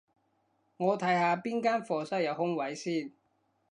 我睇下邊間課室有空位先